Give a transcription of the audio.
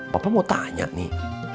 bapak mau tanya nih